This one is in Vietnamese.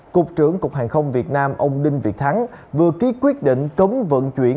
cục trưởng cục hàng không việt nam ông đinh việt thắng vừa ký quyết định cấm vận chuyển